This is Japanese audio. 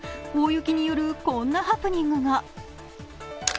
大雪による、こんなハプニングが。